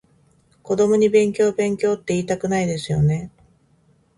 子供に勉強勉強っていいたくないですよね？